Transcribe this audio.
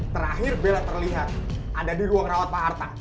terakhir bella terlihat ada di ruang rawat pak harta